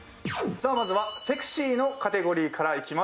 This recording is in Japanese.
さあまずはセクシーのカテゴリーからいきます。